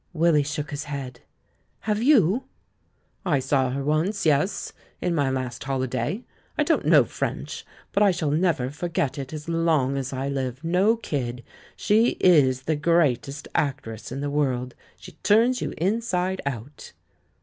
Willy shook his head. "Have youV "I saw her once, yes — in my last holiday. I don't know French, but I shall never forget it as long as I live — no kid ! She is the greatest act ress in the world; she turns you inside out."